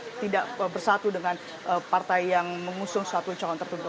mereka tidak bersatu dengan partai yang mengusung satu calon tertentu